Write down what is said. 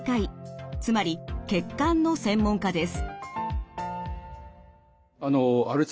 つまり血管の専門家です。